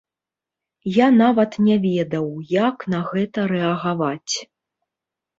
Я нават не ведаў, як на гэта рэагаваць.